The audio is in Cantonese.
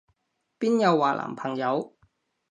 邊有話男朋友？